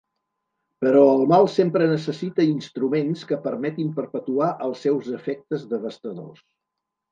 Però el mal sempre necessita instruments que permetin perpetuar els seus efectes devastadors.